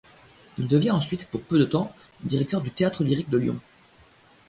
Il devient ensuite, pour peu de temps, directeur du Théâtre lyrique de Lyon.